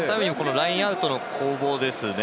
ラインアウトの攻防ですね。